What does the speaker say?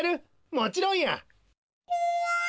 もちろんや！